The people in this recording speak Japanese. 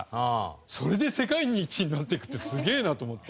それで世界一になっていくってすげえなと思って。